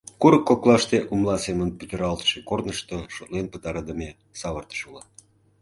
Курык коклаште, умла семын пӱтыралтше корнышто, шотлен пытарыдыме савыртыш уло.